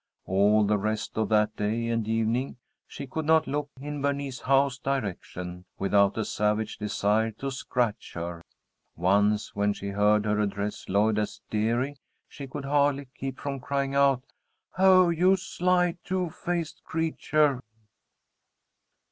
All the rest of that day and evening, she could not look in Bernice Howe's direction, without a savage desire to scratch her. Once, when she heard her address Lloyd as "dearie," she could hardly keep from crying out, "Oh, you sly, two faced creature!"